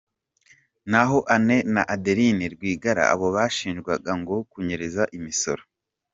Naho Anne na Adeline Rwigara bo bashinjwaga ngo kunyereza imisoro!